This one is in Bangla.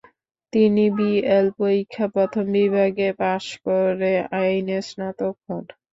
তিনি বি.এল পরীক্ষা প্রথম বিভাগে পাশ করে আইনে স্নাতক হন।